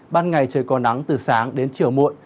ban ngày trời có nắng từ sáng đến chiều muộn